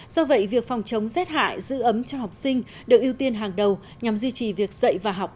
do vậy việc phòng chống rét hại giữ ấm cho học sinh được ưu tiên hàng đầu nhằm duy trì việc dạy và học